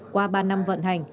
qua ba năm vận hành